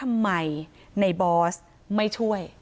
ต่างฝั่งในบอสคนขีดบิ๊กไบท์